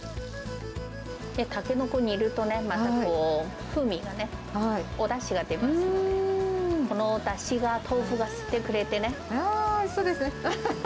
タケノコ煮るとね、また、こう、風味がね、おだしが出ますので、このだしを豆腐が吸ってくおいしそうですね。